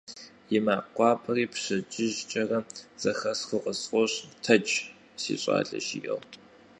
И макъ гуапэри пщэдджыжькӏэрэ зэхэсхыу къысфӏощӏ: «Тэдж, си щӏалэ», - жиӏэу.